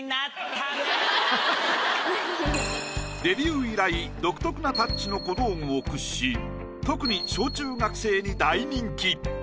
デビュー以来独特なタッチの小道具を駆使し特に小・中学生に大人気。